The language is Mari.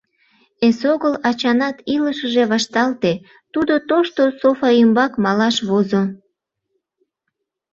Эсогыл ачанат илышыже вашталте: тудо тошто софа ӱмбак малаш возо.